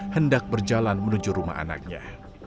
hendak berjalan menuju rumah anaknya